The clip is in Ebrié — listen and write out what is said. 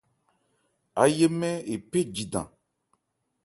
Áyémɛ́n ephé jidan.